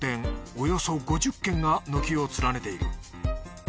およそ５０軒が軒を連ねている。